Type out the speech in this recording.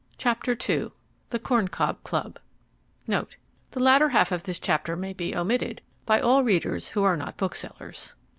Chapter II The Corn Cob Club The latter half of this chapter may be omitted by all readers who are not booksellers.